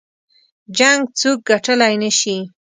جـنګ څوك ګټلی نه شي